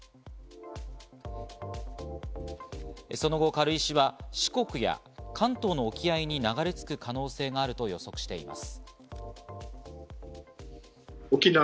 その後、軽石は四国や関東の沖合に流れ着く可能性があると予測しています。